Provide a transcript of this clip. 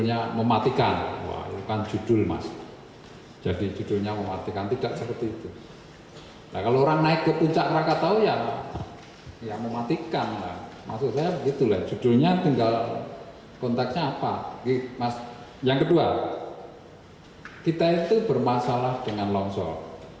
yang kedua kita itu bermasalah dengan longsor